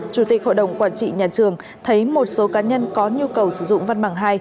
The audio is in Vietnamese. chủ tịch hội đồng quản trị nhà trường thấy một số cá nhân có nhu cầu sử dụng văn bằng hai